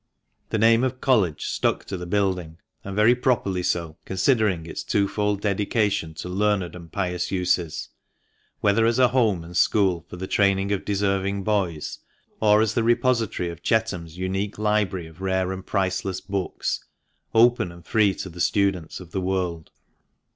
The name of " College " stuck to the building, and very properly so, considering its two fold dedication to learned and pious uses, whether as a home and school for the training of deserving boys, or as the repository of Chetham's unique library of rare and priceless books, open and free to the students of the world.